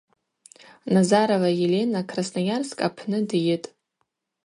Назарова Елена Красноярск апны дйытӏ.